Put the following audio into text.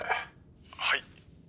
はい。